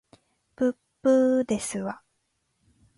ぶっぶーですわ